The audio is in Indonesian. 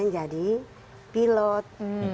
pengen jadi pilot